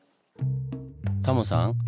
タモさん